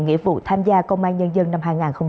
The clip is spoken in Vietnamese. nghĩa vụ tham gia công an nhân dân năm hai nghìn hai mươi ba